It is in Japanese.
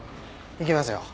行きますよ。